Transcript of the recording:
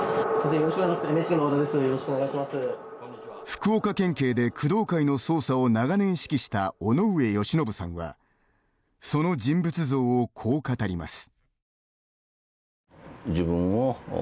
福岡県警で工藤会の捜査を長年指揮した尾上芳信さんはその人物像をこう語ります。